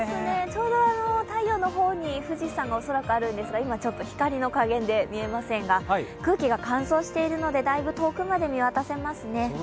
ちょうど太陽のほうに富士山が恐らくあるんですが、今、ちょっと光の加減で見えませんが空気が乾燥しているので、だいぶ遠くまで見渡せますね。